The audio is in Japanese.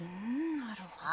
なるほど。